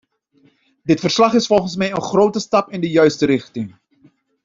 Dit verslag is volgens mij een grote stap in de juiste richting.